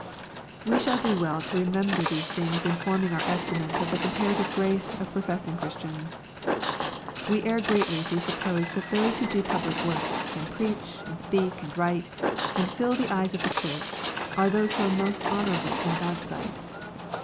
We shall do well to remember these things in forming our estimate of the comparative grace of professing Christians. We err greatly if we suppose that those who do public work, and preach, and speak, and write, and fill the eyes of the Church, are those who are most honorable in God's sight.